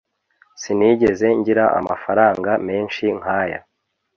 Sinigeze ngira amafaranga menshi nkaya